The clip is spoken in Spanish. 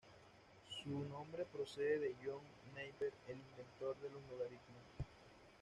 Su nombre procede de John Napier, el inventor de los logaritmos.